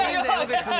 別に。